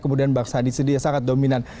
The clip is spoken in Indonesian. kemudian bang sandi sendiri yang sangat dominan